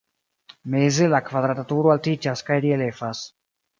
Meze la kvadrata turo altiĝas kaj reliefas.